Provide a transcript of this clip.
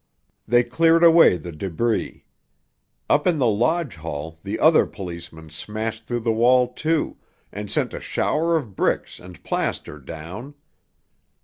They cleared away the debris. Up in the lodge hall the other policemen smashed through the wall, too, and sent a shower of bricks and plaster down.